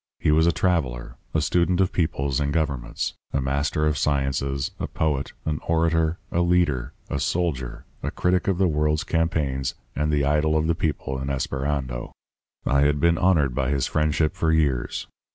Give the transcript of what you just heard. He was a traveller, a student of peoples and governments, a master of sciences, a poet, an orator, a leader, a soldier, a critic of the world's campaigns and the idol of the people in Esperando. I had been honoured by his friendship for years.